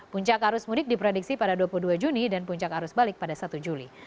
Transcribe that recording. puncak arus mudik diprediksi pada dua puluh dua juni dan puncak arus balik pada satu juli